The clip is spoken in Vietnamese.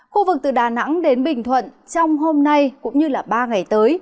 khu vực từ đà nẵng đến bình thuận trong hôm nay cũng như ba ngày tới